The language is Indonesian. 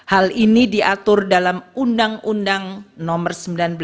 hal ini diatur dalam undang undang nomor sembilan belas dua ribu dua puluh tiga